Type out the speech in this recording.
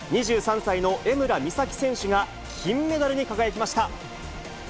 ２３歳の江村美咲選手が金メダルに輝きました。